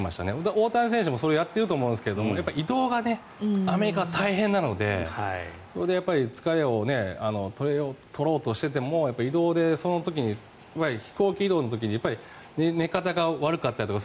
大谷選手もそれをやっていると思うんですけど移動がアメリカは大変なのでそれで疲れを取ろうとしても移動で、その時に飛行機移動の時に寝方が悪かったりとか